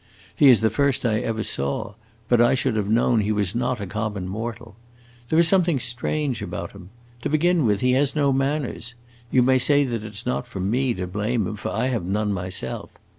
He is the first I ever saw, but I should have known he was not a common mortal. There is something strange about him. To begin with, he has no manners. You may say that it 's not for me to blame him, for I have none myself.